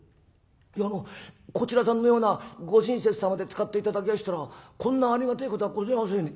いやあのこちらさんのようなご親切様で使って頂けやしたらこんなありがてえことはごぜえやせん」。